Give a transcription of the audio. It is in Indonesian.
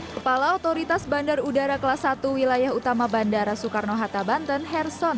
kepala otoritas bandar udara kelas satu wilayah utama bandara soekarno hatta banten herson